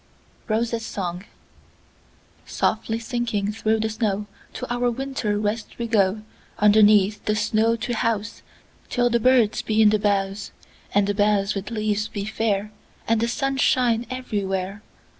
ROSES' SONG"SOFTLY sinking through the snow, To our winter rest we go, Underneath the snow to houseTill the birds be in the boughs, And the boughs with leaves be fair, And the sun shine everywhere.